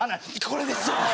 これですよ。